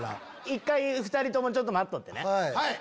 一回２人ともちょっと待っとってね。